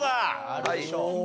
あるでしょう。